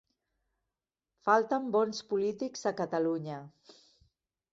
Falten bons polítics a Catalunya.